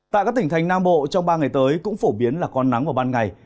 tại các tỉnh thành nam bộ trong ba ngày tới cũng phổ biến là con nắng vào ban ngày